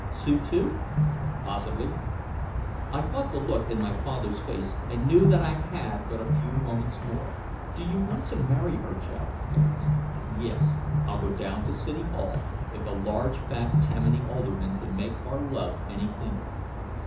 "Sue too?" "Possibly." I caught the look in my father's face and knew that I had but a few moments more. "Do you want to marry her, Joe?" I asked. "Yes, I'll go down to City Hall if a large fat Tammany alderman can make our love any cleaner."